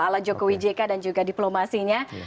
ala joko widjeka dan juga diplomasinya